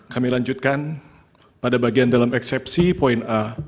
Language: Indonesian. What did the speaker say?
kami lanjutkan pada bagian dalam eksepsi poin a